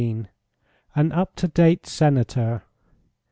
AN UP TO DATE SENATOR.